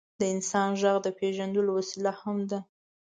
د انسان ږغ د پېژندلو وسیله هم ده.